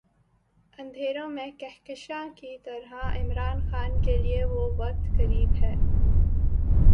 اندھیروں میں کہکشاں کی طرح عمران خان کے لیے وہ وقت قریب ہے۔